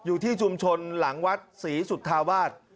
อยู่ที่ชุมชนหลังวัดศรีสุธาวาส